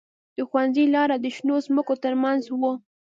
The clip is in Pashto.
د ښوونځي لاره د شنو ځمکو ترمنځ وه